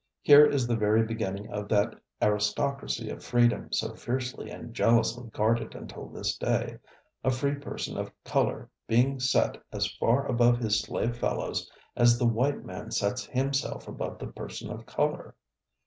Here is the very beginning of that aristocracy of freedom so fiercely and jealously guarded until this day, a free person of color being set as far above his slave fellows as the white man sets himself above the person of color.